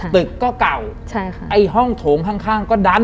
ตึกก็เก่าไอ้ห้องโถงข้างก็ดัน